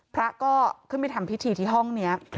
พระก็ขึ้นไปทำพิธีที่ห้องนี้